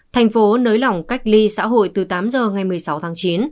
thành phố nới lỏng cách ly xã hội từ tám giờ ngày một mươi sáu tháng chín